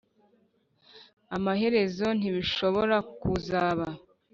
amaherezo ntibishobora kuzaba